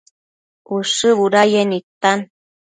Ushë budayec nidtan